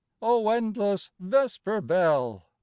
oh endless vesper bell!